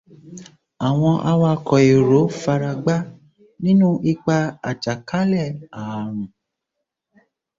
Àwọn awakọ̀èrò faragbá nínú ìpa àjàkálẹ̀ ààrùn.